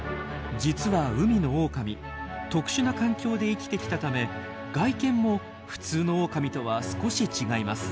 実は海のオオカミ特殊な環境で生きてきたため外見も普通のオオカミとは少し違います。